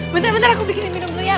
bentar bentar aku bikin minum dulu ya